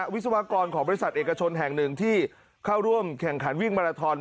วิศวกรของบริษัทเอกชนแห่งหนึ่งที่เข้าร่วมแข่งขันวิ่งมาราทอน